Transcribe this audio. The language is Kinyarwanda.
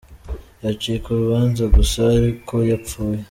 Yacika urubanza gusa ari uko yapfuye.